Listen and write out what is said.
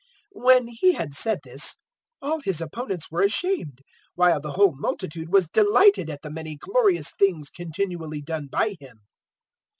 013:017 When He had said this, all His opponents were ashamed, while the whole multitude was delighted at the many glorious things continually done by Him.